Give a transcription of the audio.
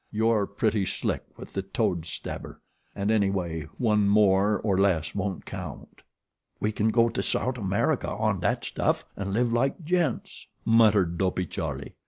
"You're pretty slick with the toad stabber, an' any way one more or less won't count." "We can go to Sout' America on dat stuff an' live like gents," muttered Dopey Charlie.